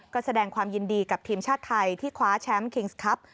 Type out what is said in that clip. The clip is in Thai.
ก็แสดงความยินดีกับทีมชาติไทยที่คว้าแชมป์คิงส์ครับ